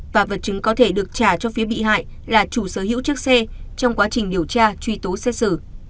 và vật chứng có thể được trả cho phía bị hại là chủ sở hữu chiếc xe trong quá trình điều tra truy tố xét xử